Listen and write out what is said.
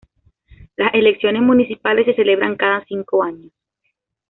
Las elecciones municipales se celebran cada cinco años.